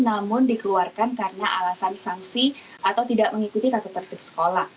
namun dikeluarkan karena alasan sanksi atau tidak mengikuti tata tertib sekolah